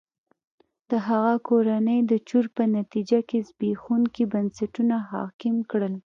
د هغه کورنۍ د چور په نتیجه کې زبېښونکي بنسټونه حاکم کړل.